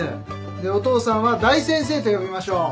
でお父さんは「大先生」と呼びましょう。